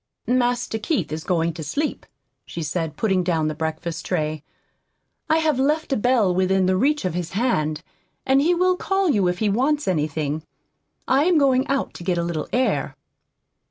"Master Keith is going to sleep," she said, putting down the breakfast tray. "I have left a bell within reach of his hand, and he will call you if he wants anything. I am going out to get a little air."